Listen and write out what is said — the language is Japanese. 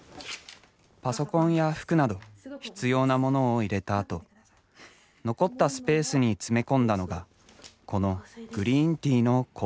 パソコンや服など必要なモノを入れたあと残ったスペースに詰め込んだのがこのグリーンティーの香水だった。